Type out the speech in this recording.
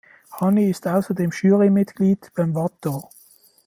Hany ist ausserdem Jurymitglied beim Watt d’Or.